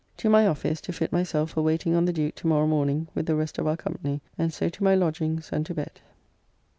To my office, to fit myself for waiting on the Duke to morrow morning with the rest of our company, and so to my lodgings and to bed.